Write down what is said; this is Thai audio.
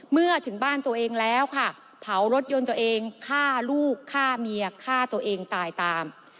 เมื่อถึงบ้านตัวเองแล้วค่ะเผารถยนต์ตัวเองฆ่าลูกฆ่าเมียฆ่าตัวเองตายตาม